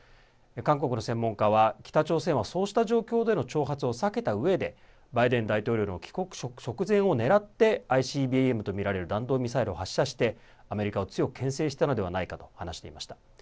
韓国の専門家は北朝鮮はそうした状況での挑発を避けたうえでバイデン大統領の帰国直前を狙ってＩＣＢＭとみられる弾道ミサイルを発射してアメリカを強く、けん制したのではないかと話していました。